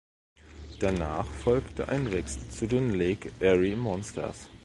Danach folgte ein Wechsel zu den Lake Erie Monsters.